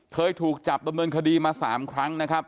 เคยถูกจับดำเนินคดีมา๓ครั้งนะครับ